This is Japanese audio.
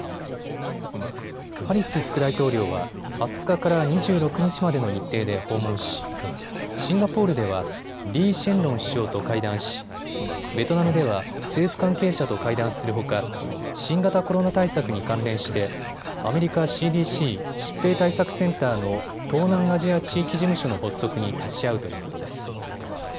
ハリス副大統領は２０日から２６日までの日程で訪問し、シンガポールではリー・シェンロン首相と会談しベトナムでは政府関係者と会談するほか新型コロナ対策に関連してアメリカＣＤＣ・疾病対策センターの東南アジア地域事務所の発足に立ち会うということです。